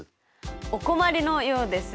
お困りのようですね。